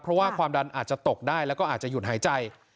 เพราะว่าความดันอาจจะตกได้แล้วก็อาจจะหยุดหายใจ